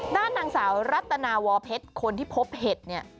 ด้านนางสาวรัตนาวเพชรคนที่พบเห็ดเนี่ย